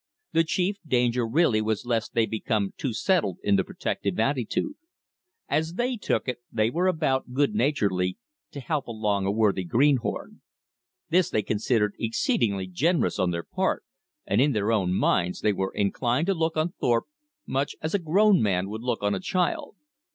The chief danger really was lest they become too settled in the protective attitude. As they took it, they were about, good naturedly, to help along a worthy greenhorn. This they considered exceedingly generous on their part, and in their own minds they were inclined to look on Thorpe much as a grown man would look on a child.